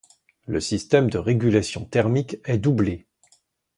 Le système de régulation thermique est doublé.